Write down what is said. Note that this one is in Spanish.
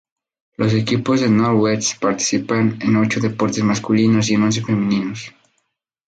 Los equipos de Northwestern participan en ocho deportes masculinos y en once femeninos.